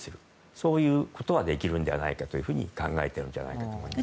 そういうことはできるんじゃないかと考えているんじゃないかと思います。